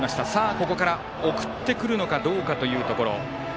ここから、送ってくるのかどうかというところ。